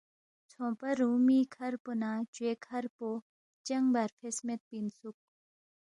ژھونگپا رُومی کَھر پو نہ چوے کَھر پو چنگ بر فیس میدپی اِنسُوک